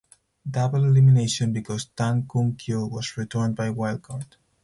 Double elimination because Tan Khun Kyaw was returned by Wild Card.